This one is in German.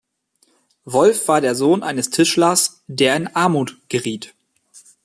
Wolf war der Sohn eines Tischlers, der in Armut geriet.